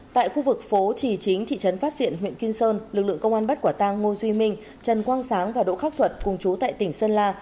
tại khu vực phố trì chính thị trấn phát xiển huyện kim sơn lực lượng công an bắt quả tăng ngô duy minh trần quang sáng và đỗ khắc thuật cùng chú tại tỉnh sơn la